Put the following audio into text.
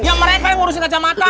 ya mereka yang ngurusin kacamata